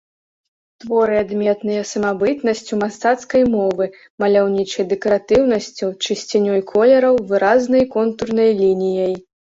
Творы адметныя самабытнасцю мастацкай мовы, маляўнічай дэкаратыўнасцю, чысцінёй колераў, выразнай контурнай лініяй.